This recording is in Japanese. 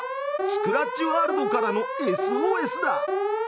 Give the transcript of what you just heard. スクラッチワールドからのＳＯＳだ！